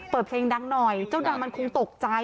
เปิดเพลงดังหน่อยเจ้าดังมันคงตกใจ